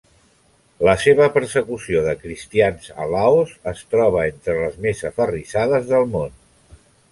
La seva persecució de cristians a Laos es troba entre les més aferrissades del món.